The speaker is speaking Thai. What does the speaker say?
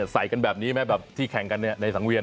ใส่กันแบบนี้ไหมแบบที่แข่งกันในสังเวียน